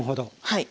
はい。